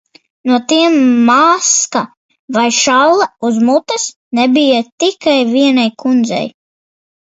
No tiem maska vai šalle uz mutes nebija tikai vienai kundzei.